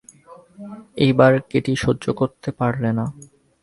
এইবার কেটি সহ্য করতে পারলে না।